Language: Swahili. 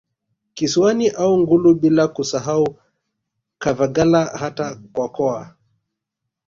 Kisiwani au Ngullu bila kusahau Kavagala hata Kwakoa